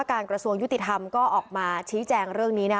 การกระทรวงยุติธรรมก็ออกมาชี้แจงเรื่องนี้